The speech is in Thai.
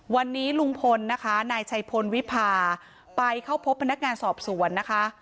วันนี้ลุงพลนะคะนายชัยพลวิพาไปเข้าพบพนักงานสอบสวนนะคะ